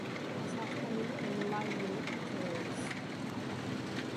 Asad Khalil, a Libyan terrorist.